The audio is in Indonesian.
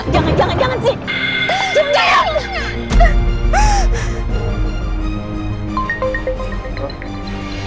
jangan jangan jangan